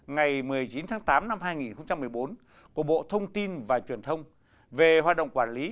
ngày một mươi chín tháng tám năm hai nghìn một mươi bốn của bộ thông tin và truyền thông về hoạt động quản lý